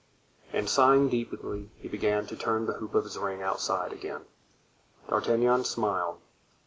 and sighing deeply he began to turn the hoop of his ring outside again. D'Artagnan smiled.